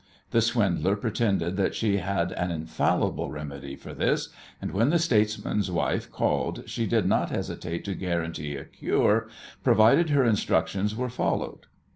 The swindler pretended that she had an infallible remedy for this, and when the statesman's wife called she did not hesitate to guarantee a cure, provided her instructions were followed.